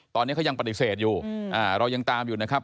ตอนนี้เขายังปฏิเสธอยู่เรายังตามอยู่นะครับ